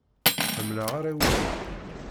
Ḥemmleɣ arraw-inu.